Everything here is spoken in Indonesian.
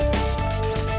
enggak ke tadi aja